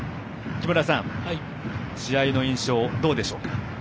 木村さん、試合の印象どうですか。